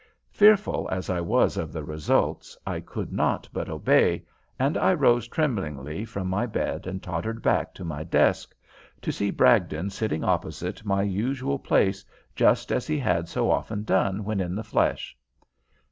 Fearful as I was of the results, I could not but obey, and I rose tremblingly from my bed and tottered back to my desk, to see Bragdon sitting opposite my usual place just as he had so often done when in the flesh.